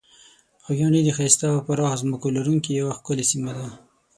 خوږیاڼي د ښایسته او پراخو ځمکو لرونکې یوه ښکلې سیمه ده.